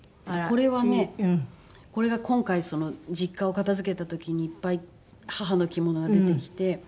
これはねこれが今回実家を片付けた時にいっぱい母の着物が出てきて。